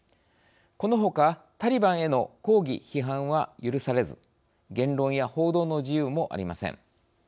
このほか、タリバンへの抗議・批判は許されず言論や報道の自由もありません。